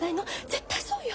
絶対そうよ！